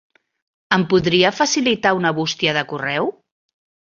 Em podria facilitar una bústia de correu?